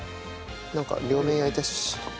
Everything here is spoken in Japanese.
なんか両面焼いたし。